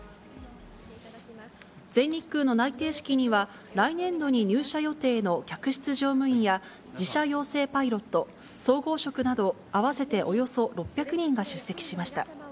全日空の内定式には、来年度に入社予定の客室乗務員や自社養成パイロット、総合職など合わせておよそ６００人が出席しました。